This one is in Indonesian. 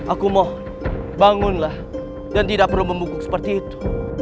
aku mohon bangunlah dan tidak perlu membungkuk seperti itu